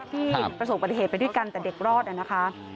ที่ประสบปฏิเหตุไปด้วยกันแต่เด็กรอดนะคะ